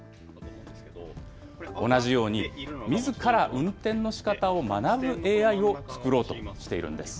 同じように、みずから運転のしかたを学ぶＡＩを作ろうとしているんです。